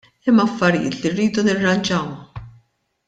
Hemm affarijiet li rridu nirranġaw.